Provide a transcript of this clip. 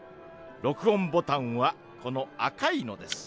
録音ボタンはこの赤いのです。